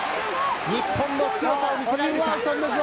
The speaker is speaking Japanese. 日本の強さを見せられるか？